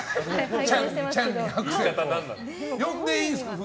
呼んでいいんですか。